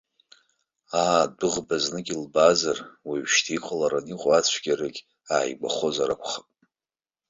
Аа, адәыӷба знык илбаазар, уажәшьҭа иҟалараны иҟоу ацәгьарагьы ааигәахозар акәхап.